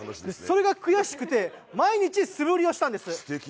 それが悔しくて毎日素振りをしたんです。